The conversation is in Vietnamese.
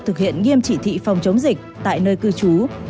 thực hiện nghiêm chỉ thị phòng chống dịch tại nơi cư trú